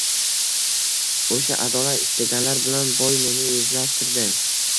O‘sha adolat istaganlar bilan boy meni yuzlashtirdi.